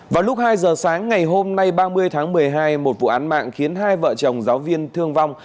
vào lúc hai giờ sáng ngày hôm nay ba mươi tháng một mươi hai một vụ án mạng khiến hai vợ chồng giáo viên thương vong